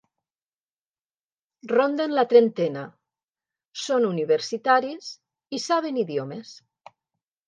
Ronden la trentena, són universitaris i saben idiomes.